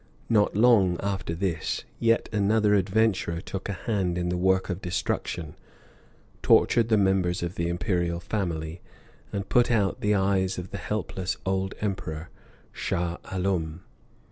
Not long after this, yet another adventurer took a hand in the work of destruction, tortured the members of the imperial family, and put out the eyes of the helpless old emperor, Shah Alum.